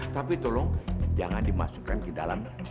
tapi tolong jangan dimasukkan ke dalam